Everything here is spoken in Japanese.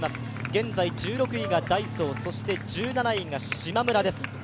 現在１６位がダイソー、そして１７位がしまむらです。